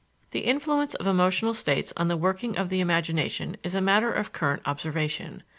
The influence of emotional states on the working of the imagination is a matter of current observation.